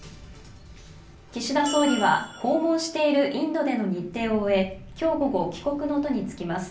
岸田総理は訪問しているインドでの日程を終え今日午後、帰国の途につきます。